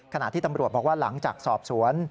ขณะที่ตำรวจบอกว่าหลังจากสอบสวน